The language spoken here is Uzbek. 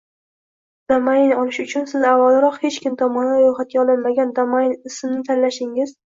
Domain olish uchun Siz avvalroq hech kim tomonidan ro’yxatga olinmagan domain ismni tanlashingiz